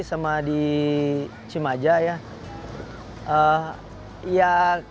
sama di cibaja ya